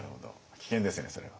危険ですよねそれは。